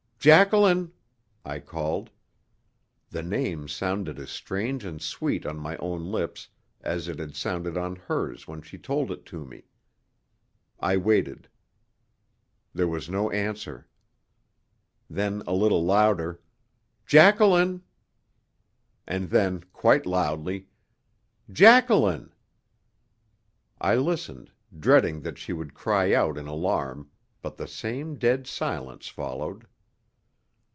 "Jacqueline," I called. The name sounded as strange and sweet on my own lips as it had sounded on hers when she told it to me. I waited. There was no answer. Then a little louder: "Jacqueline!" And then quite loudly: "Jacqueline!" I listened, dreading that she would cry out in alarm, but the same dead silence followed.